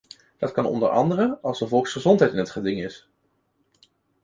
Dat kan onder andere als de volksgezondheid in het geding is.